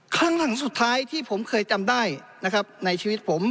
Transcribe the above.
ครั้งหลังสุดท้ายที่ผมเคยจำได้นะครับในชีวิตผม